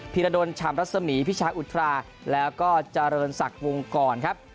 ผีระดนชามรัศมีพิชาอุทราแล้วก็จริรสักวงกรครับ